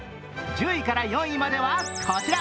１０位から４位までは、こちら。